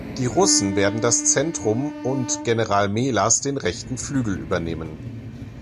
Die Russen werden das Zentrum und General Melas den rechten Flügel übernehmen.